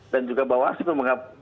dan juga bawah